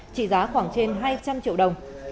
trị giá khoảng trên hai trăm linh triệu đồng